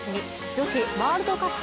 女子ワールドカップ